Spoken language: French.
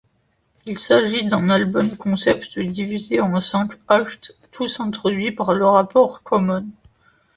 Il s'agit d'un album-concept divisé en cinq actes, tous introduits par le rappeur Common.